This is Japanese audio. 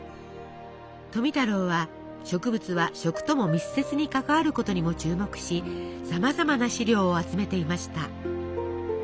富太郎は植物は食とも密接に関わることにも注目しさまざまな資料を集めていました。